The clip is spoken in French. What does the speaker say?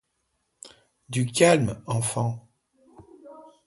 Du calme, enfants.